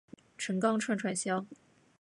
陈钢串串香